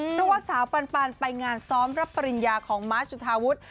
เพราะว่าสาวปันไปงานซ้อมรับปริญญาของมาร์ชจุธาวุฒิ